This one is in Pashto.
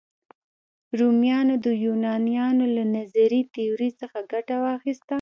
رومیانو د یونانیانو له نظري تیوري څخه ګټه واخیسته.